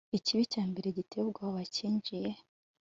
Ikibi cya mbere giteye ubwoba cyinjiye